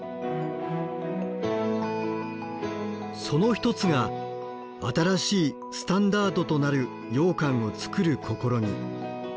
その一つが新しいスタンダードとなるようかんを作る試み。